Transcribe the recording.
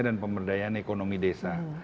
dan pemberdayaan ekonomi desa